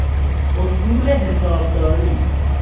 اصول حسابداری